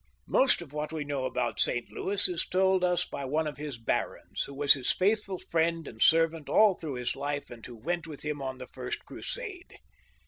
Most of what we know about St. Louis is told us by one of his barons, who was his faithful friend and servjmt all through his life, and who went with him on the first Crusade.